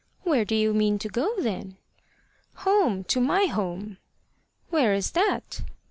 "Where do you mean to go, then?" "Home to my home." "Where's that?"